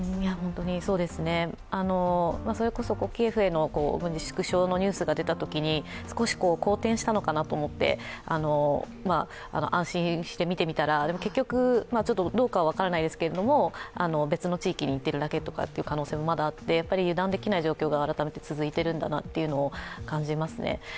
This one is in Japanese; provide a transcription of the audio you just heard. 本当にそうですね、それこそキエフでの軍事縮小のニュースが出たときに少し好転したのかなと思って安心して見てみたら結局、どうかは分からないですけど別の地域にいってるだけという可能性もまだあって油断できない状況が改めて続いているんだなと感じますね。